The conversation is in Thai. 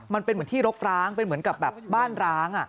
มันเป็นเหมือนที่รกร้างเป็นเหมือนกับแบบบ้านร้าง